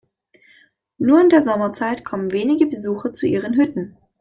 Nur in der Sommerzeit kommen wenige Besucher zu ihren Hütten.